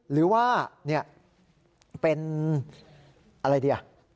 หรือว่าเป็นอะไรดี